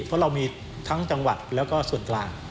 เพราะเรามีทั้งจังหวัดแล้วก็ส่วนกลาง